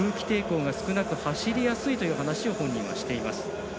空気抵抗が少なく走りやすいという話を本人はしています。